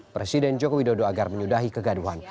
presiden joko widodo agar menyudahi kegaduhan